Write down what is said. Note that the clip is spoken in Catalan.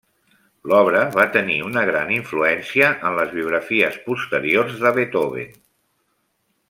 L'obra va tenir una gran influència en les biografies posteriors de Beethoven.